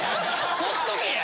ほっとけや！